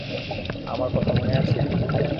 আমার কথা মনে আছে?